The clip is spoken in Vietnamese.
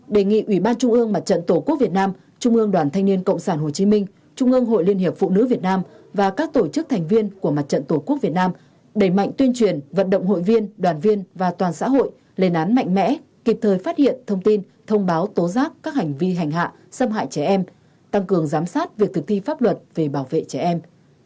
bốn đề nghị ủy ban trung ương mặt trận tổ quốc việt nam trung ương đoàn thanh niên cộng sản hồ chí minh trung ương hội liên hiệp phụ nữ việt nam và các tổ chức thành viên của mặt trận tổ quốc việt nam đẩy mạnh tuyên truyền vận động hội viên đoàn viên và toàn xã hội lên án mạnh mẽ kịp thời phát hiện thông tin thông báo tố giác các hành vi hành hạ xâm hại trẻ em tăng cường giám sát việc thực thi pháp luật về bảo vệ trẻ em